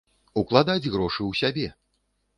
Укладаць грошы ў сябе!